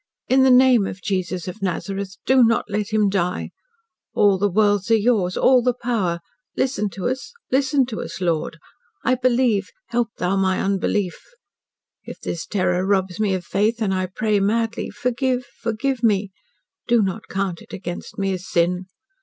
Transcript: In the name of Jesus of Nazareth do not let him die! All the worlds are yours all the power listen to us listen to us. Lord, I believe help thou my unbelief. If this terror robs me of faith, and I pray madly forgive, forgive me. Do not count it against me as sin.